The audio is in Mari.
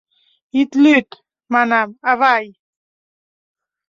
— Ит лӱд, — манам, — авай!